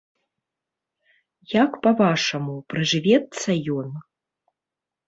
Як па-вашаму, прыжывецца ён?